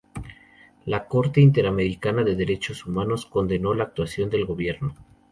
La Corte Interamericana de Derechos Humanos condenó la actuación del gobierno.